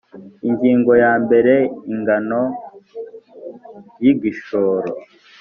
ingingo ya mbere ingano y igishoro